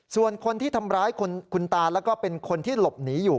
ส่วนคนที่ทำร้ายคุณตาแล้วก็เป็นคนที่หลบหนีอยู่